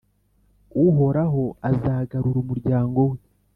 Uhoraho azagarura umuryango we